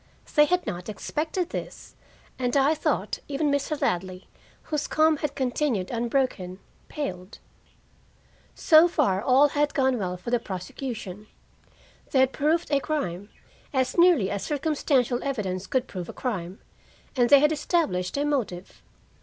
They had not expected this, and I thought even Mr. Ladley, whose calm had continued unbroken, paled. So far, all had gone well for the prosecution. They had proved a crime, as nearly as circumstantial evidence could prove a crime, and they had established a motive.